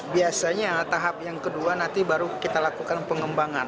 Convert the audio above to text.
biasanya tahap yang kedua nanti baru kita lakukan pengembangan